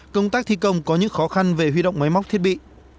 công tác thi công có những khó khăn về huy động máy móc thiết bị